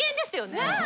ねえ。